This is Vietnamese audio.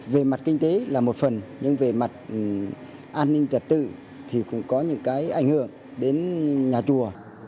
về mặt kinh tế là một phần nhưng về mặt an ninh trật tự thì cũng có những cái ảnh hưởng đến nhà chùa